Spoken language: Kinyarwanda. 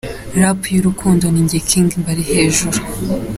Rap y’urukundo ni njye King mbari hejuru….